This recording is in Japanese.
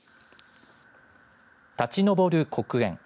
立ち上る黒煙。